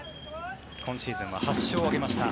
今シーズンは８勝を挙げました。